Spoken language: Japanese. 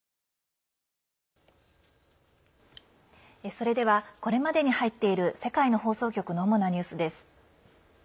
それではこれまでに入っている世界の放送局の主なニュースです。